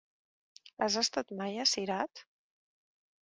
Has estat mai a Cirat?